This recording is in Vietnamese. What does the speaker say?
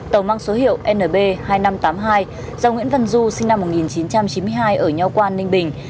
tàu mang số hiệu nb hai nghìn năm trăm tám mươi hai do nguyễn văn du sinh năm một nghìn chín trăm chín mươi hai ở nho quan ninh bình